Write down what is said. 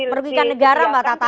dan merugikan negara mbak tata